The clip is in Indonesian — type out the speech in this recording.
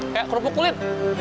kayak kerupuk kulit